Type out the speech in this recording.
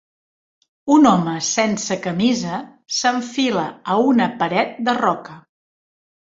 Un home sense camisa s'enfila a una paret de roca